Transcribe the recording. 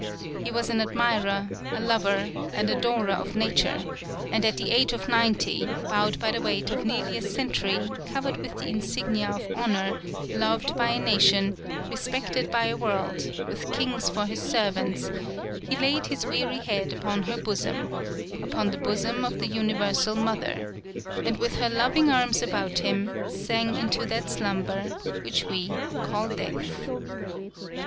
He was an admirer, a lover, an adorer of Nature, and at the age of ninety, bowed by the weight of nearly a century, covered with the insignia of honor, loved by a nation, respected by a world, with kings for his servants, he laid his weary head upon her bosom upon the bosom of the Universal Mother and with her loving arms about him, sank into that slumber which we call Death.